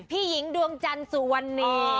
พี่หญิงดวงจันทร์สุวรรณี